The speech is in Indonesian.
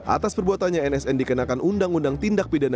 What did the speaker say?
atas perbuatannya nsn dikenakan undang undang tindakan